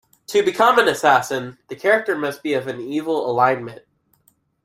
To become an assassin, the character must be of an evil alignment.